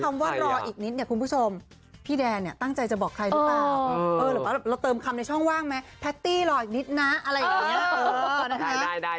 คำว่ารออีกนิดพี่แดนตั้งใจจะบอกใครหรือเปล่าเราเติมคำในช่องว่างไหมแพตตี้รออีกนิดนะอะไรแบบนี้